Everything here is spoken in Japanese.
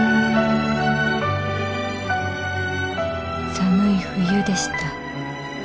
寒い冬でした